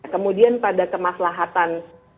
kemudian pada kemaslahatan